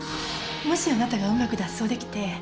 もしあなたがうまく脱走できて。